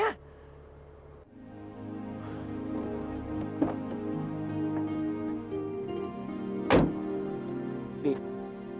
aku udah tau